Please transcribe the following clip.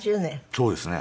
そうですね。